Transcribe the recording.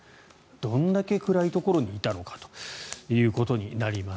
どんだけ暗いところにいたのかということになります。